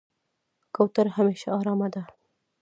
کوتره همیشه آرامه ده.